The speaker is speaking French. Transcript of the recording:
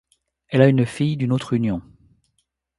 Elle a une fille d'une autre union.